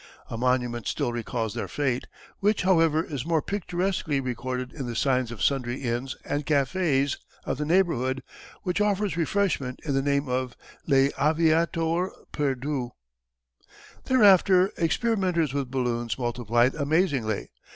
A monument still recalls their fate, which however is more picturesquely recorded in the signs of sundry inns and cafés of the neighbourhood which offer refreshment in the name of Les Aviateurs Perdus. Thereafter experimenters with balloons multiplied amazingly.